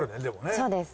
そうです。